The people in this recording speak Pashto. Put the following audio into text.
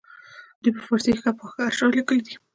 دوی په فارسي ښه پاخه اشعار لیکلي دي.